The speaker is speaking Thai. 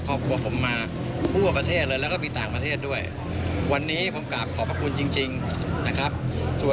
ก่อนเดี๋ยวก็ต้องบอกว่าขอบคุณจริงนะคราว